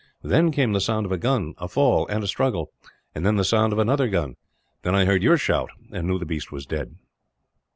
Then came the sound of a gun, a fall, and a struggle; and then the sound of another gun. Then I heard your shout, and knew the beast was dead.